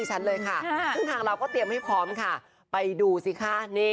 เราก็เตรียมให้พร้อมไปดูสิคะ